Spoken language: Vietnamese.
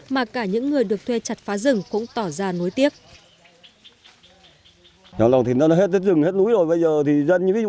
mà cả những người được thuê chặt phá rừng cũng tỏ ra nối tiếp